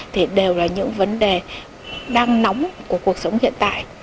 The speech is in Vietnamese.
thì đều là những vấn đề đang nóng của cuộc sống hiện tại